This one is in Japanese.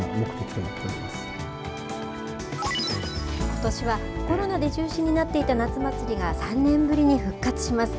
ことしはコロナで中止になっていた夏祭りが３年ぶりに復活します。